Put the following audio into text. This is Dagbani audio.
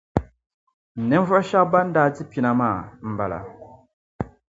Ninvuɣ' shɛba ban daa di pina maa m-bala.